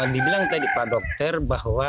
dibilang tadi pak dokter bahwa